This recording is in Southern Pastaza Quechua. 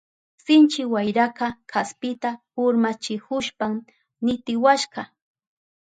Sinchi wayraka kaspita urmachihushpan nitiwashka.